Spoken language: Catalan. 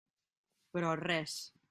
Però res.